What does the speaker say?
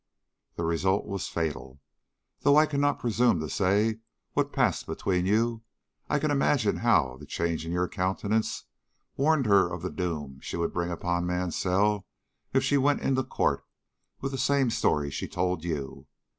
"The result was fatal. Though I cannot presume to say what passed between you, I can imagine how the change in your countenance warned her of the doom she would bring upon Mansell if she went into court with the same story she told you.